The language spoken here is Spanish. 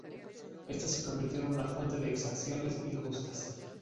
Esto se convirtió en una fuente de exacciones injustas.